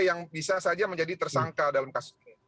yang bisa saja menjadi tersangka dalam kasus ini